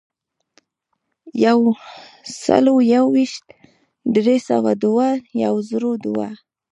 یو سلو یو ویشت ، درې سوه دوه ، یو زرو دوه.